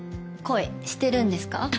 恋してるんですか？